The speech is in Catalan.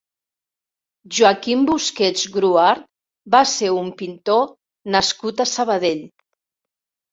Joaquim Busquets Gruart va ser un pintor nascut a Sabadell.